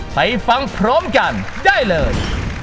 ไปฟังพร้อมกันได้เลย